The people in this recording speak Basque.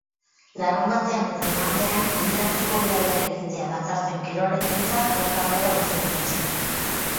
Larunbatean eta igandean hiriarteko bidaiak egitea dakarten kirol ekintzak bertan behera utzi dituzte.